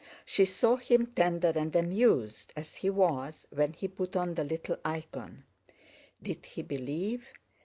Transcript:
She saw him tender and amused as he was when he put on the little icon. "Did he believe?